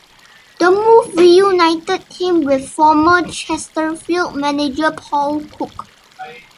The move reunited him with former Chesterfield manager Paul Cook.